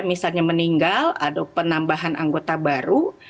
misalnya meninggal ada penambahan anggota baru